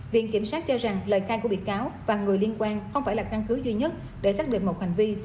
viện kiểm sát cho rằng lời khai của bị cáo và người liên quan không phải là căn cứ duy nhất để xác định một hành vi